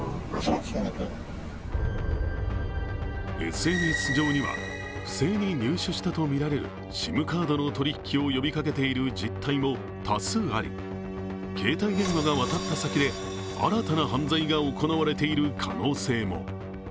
ＳＮＳ上には、不正に入手したとみられるＳＩＭカードの取引を呼びかけている実態も多数あり、携帯電話が渡った先で新たな犯罪が行われている可能性も。